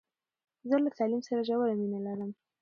زه له تعلیم سره ژوره مینه لرم.